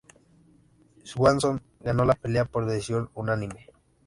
Swanson ganó la pelea por decisión unánime.